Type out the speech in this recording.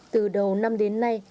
từ đầu năm đến nay